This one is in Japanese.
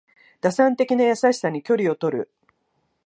打算的な優しさに距離をとる